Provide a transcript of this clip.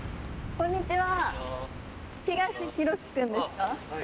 こんにちは。